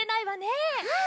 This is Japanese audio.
うん。